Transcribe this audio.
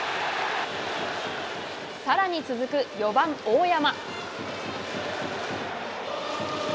さらに続く４番大山。